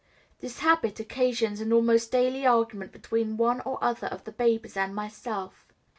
This habit occasions an almost daily argument between one or other of the babies and myself.